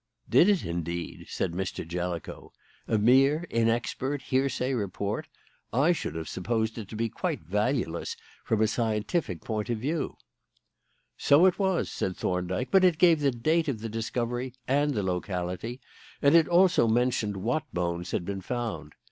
"Did it, indeed?" said Mr. Jellicoe. "A mere, inexpert, hearsay report! I should have supposed it to be quite valueless from a scientific point of view." "So it was," said Thorndyke. "But it gave the date of the discovery and the locality, and it also mentioned what bones had been found.